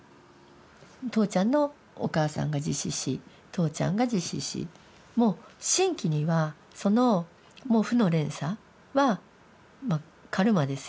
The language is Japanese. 父ちゃんのお母さんが自死し父ちゃんが自死しもう真気にはそのもう負の連鎖はカルマですよね